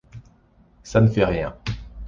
Ça ne fait rien.